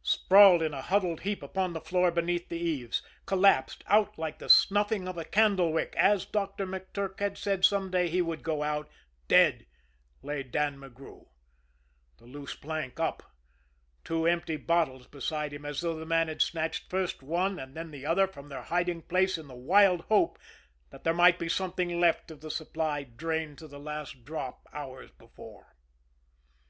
Sprawled in a huddled heap upon the floor beneath the eaves, collapsed, out like the snuffing of a candle wick, as Doctor McTurk had said some day he would go out, dead, lay Dan McGrew the loose plank up, two empty bottles beside him, as though the man had snatched first one and then the other from their hiding place in the wild hope that there might be something left of the supply drained to the last drop hours before.